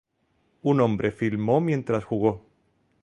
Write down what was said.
Un hombre filmó mientras jugó.